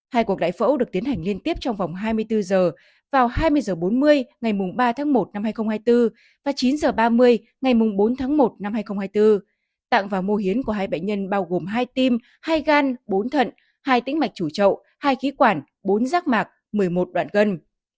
hai cuộc đại phẫu được tiến hành liên tiếp trong vòng hai mươi bốn h vào hai mươi h bốn mươi ngày ba tháng một năm hai nghìn hai mươi bốn và chín h ba mươi ngày bốn tháng một năm hai nghìn hai mươi bốn tặng và mô hiến của hai bệnh nhân bao gồm hai tim hai gan bốn thận hai tĩnh mạch chủ trậu hai khí quản bốn rác mạc một mươi một đoạn gân